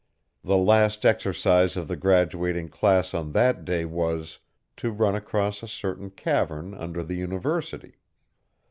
The last exercise of the graduating class on that day was, to run across a certain cavern under the University.